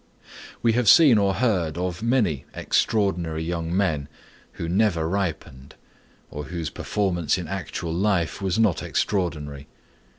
We have seen or heard of many extraordinary young men who never ripened, or whose performance in actual life was not extraordinary.